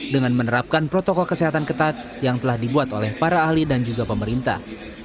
dengan menerapkan protokol kesehatan ketat yang telah dibuat oleh para ahli dan juga pemerintah